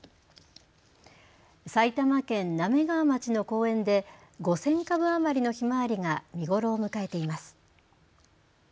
埼玉県滑川町の公園で５０００株余りのひまわりが見頃を迎えています。